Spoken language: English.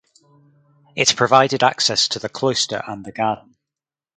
It provided access to the cloister and the garden.